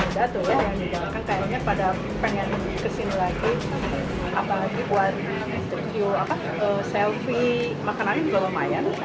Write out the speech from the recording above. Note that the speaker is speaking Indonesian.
yang dijalankan kayaknya pada pengen kesini lagi apalagi buat video selfie makanan juga lumayan